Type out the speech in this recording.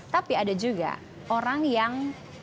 tapi ada juga orang yang